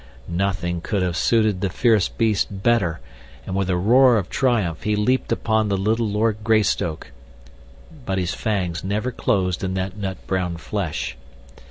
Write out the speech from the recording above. Nothing could have suited the fierce beast better, and with a roar of triumph he leaped upon the little Lord Greystoke. But his fangs never closed in that nut brown flesh.